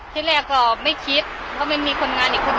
ที่แรกก็ไม่คิดเพราะไม่มีคนงานอีกคนนึง